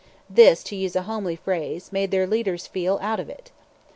This, to use a homely phrase, made their leaders feel out of it.